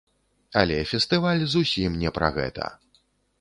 Але фестываль зусім не пра гэта.